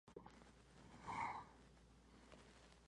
Así tenía que subir a su torre para ser pintada durante horas.